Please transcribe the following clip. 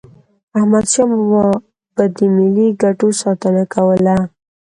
احمدشاه بابا به د ملي ګټو ساتنه کوله.